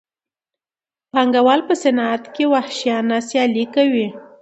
پانګوال په صنعت کې وحشیانه سیالي کوي